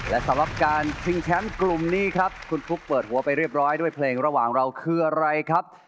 และสำหรับการชิงแชมป์กลุ่มนี้ครับคุณฟุ๊กเปิดหัวไปเรียบร้อยด้วยเพลงระหว่างเราคืออะไรครับ